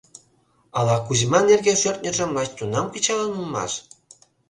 Ала Кузьман эрге шӧртньыжым лач тунам кычалын улмаш.